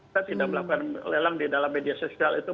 saya tidak melakukan lelang di dalam media sosial itu